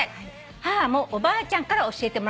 「母もおばあちゃんから教えてもらったそうです」